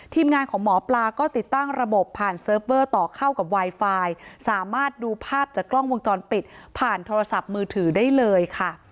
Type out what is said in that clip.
ทีมงานของหมอปลาก็ติดตั้งระบบผ่านเซิร์ฟเวอร์ต่อเข้ากับไวไฟสามารถดูภาพจากกล้องวงจรปิดผ่านโทรศัพท์มือถือได้เลยค่ะ